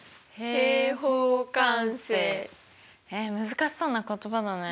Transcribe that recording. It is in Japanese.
難しそうな言葉だね。